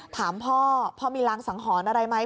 ถามพ่อพ่อมีรางสังหรณ์อะไรไหม